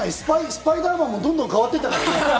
スパイダーマンもどんどん変わってるからね。